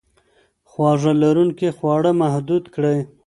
خواږه لرونکي خواړه محدود کړئ.